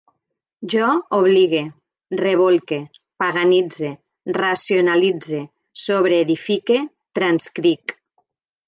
Jo obligue, rebolque, paganitze, racionalitze, sobreedifique, transcric